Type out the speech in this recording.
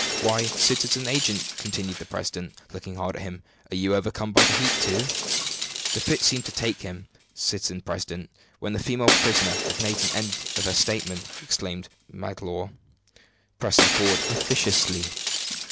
"Why, citizen agent!" continued the president, looking hard at him, "are you overcome by the heat, too?" "The fit seemed to take him, citizen president, when the female prisoner had made an end of her statement," exclaimed Magloire, pressing forward officiously.